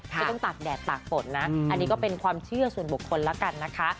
ไม่ต้องตากแดดตากฝนนะอันนี้ก็เป็นความเชื่อส่วนบุคคลแล้วกันนะคะ